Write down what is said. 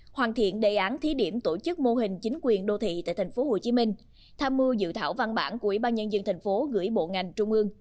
hoàn thiện đề án thí điểm tổ chức mô hình chính quyền đô thị tại tp hcm tham mưu dự thảo văn bản của ủy ban nhân dân tp hcm gửi bộ ngành trung ương